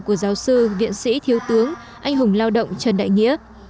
của giáo sư viện sĩ thiếu tướng anh hùng lao động trần đại nghĩa